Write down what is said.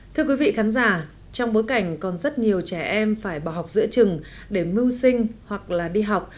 thưa quý vị khán giả trong bối cảnh còn rất nhiều trẻ em phải bỏ học giữa trường để mưu sinh hoặc là đi học